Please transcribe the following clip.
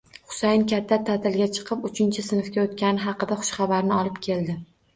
Xusayin katta ta'tilga chiqib, uchinchi sinfga o'tgani haqidagi xushxabarni olib keldi.